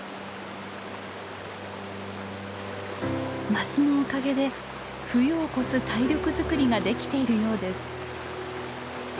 マスのおかげで冬を越す体力づくりができているようです。